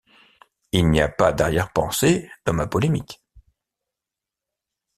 Il n’y a pas d’arrière-pensée dans ma polémique.